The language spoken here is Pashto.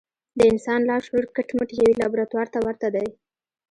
د انسان لاشعور کټ مټ يوې لابراتوار ته ورته دی.